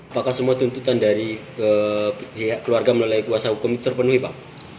apakah semua tuntutan dari pihak keluarga melalui kuasa hukum itu terpenuhi pak